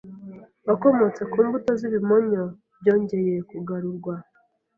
Wakomotse ku mbuto y'ibimonyo byongeye kugarurwa